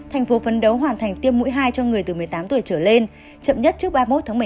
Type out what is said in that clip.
thành phố phấn đấu hoàn thành tiêm mũi hai cho người từ một mươi tám tuổi trở lên chậm nhất trước ba mươi một tháng một mươi hai